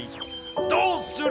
どうする？